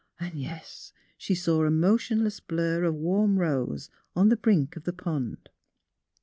And, yes, she saw a motionless blur of warm rose, on the brink of the pond.